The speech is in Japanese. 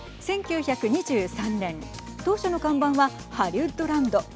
１９２３年当初の看板はハリウッドランド。